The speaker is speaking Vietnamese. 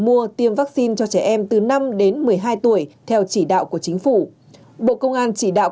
mua tiêm vaccine cho trẻ em từ năm đến một mươi hai tuổi theo chỉ đạo của chính phủ bộ công an chỉ đạo